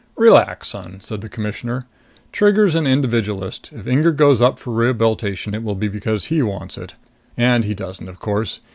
"Relax, son," said the Commissioner. "Trigger's an individualist. If Inger goes up for rehabilitation, it will be because he wants it. And he doesn't, of course.